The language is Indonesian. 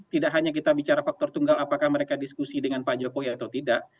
tidak hanya kita bicara faktor tunggal apakah mereka diskusi dengan pak jokowi atau tidak